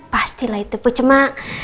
pastilah itu bu cuma